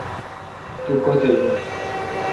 تو کوتھ این۔